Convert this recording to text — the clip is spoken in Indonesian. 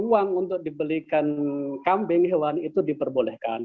uang untuk dibelikan kambing hewan itu diperbolehkan